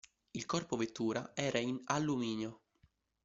Il corpo vettura era in alluminio.